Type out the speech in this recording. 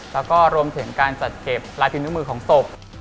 แล้วก็รวมถึงการจัดเก็บลายพิมนิ้วมือของศพ